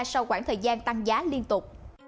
sau khoảng thời gian tăng giá liên tục